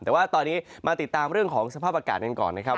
แต่ว่าตอนนี้มาติดตามเรื่องของสภาพอากาศกันก่อนนะครับ